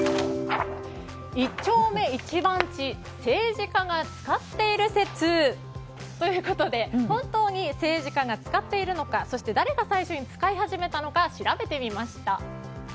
一丁目一番地、政治家が使っている説ということで本当に政治家が使っているのかそして誰が最初に使い始めたのか調べてみました。